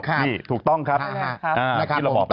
นี่ถูกต้องครับที่เราบอกไปแล้วครับนะครับครับ